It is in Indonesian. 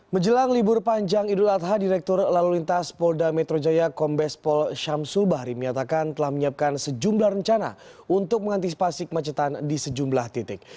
menjelang libur panjang idul adha direktur lalu lintas polda metro jaya kombes pol syamsul bahri menyatakan telah menyiapkan sejumlah rencana untuk mengantisipasi kemacetan di sejumlah titik